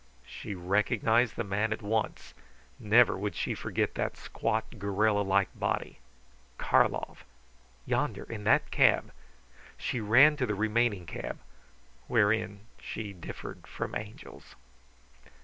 She recognized the man at once. Never would she forget that squat, gorilla like body. Karlov! Yonder, in that cab! She ran to the remaining cab; wherein she differed from angels.